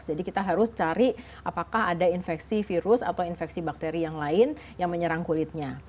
jadi kita harus cari apakah ada infeksi virus atau infeksi bakteri yang lain yang menyerang kulitnya